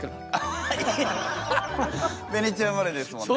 ベネチア生まれですもんね。